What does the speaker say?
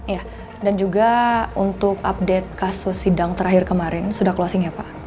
ya dan juga untuk update kasus sidang terakhir kemarin sudah closing ya pak